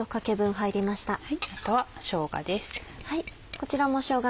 あとはしょうがです。